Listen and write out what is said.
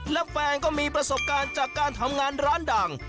และแฟนก็มีประสบการณ์จากการทำงานร้านดัง